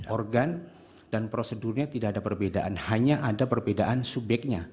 organ dan prosedurnya tidak ada perbedaan hanya ada perbedaan subyeknya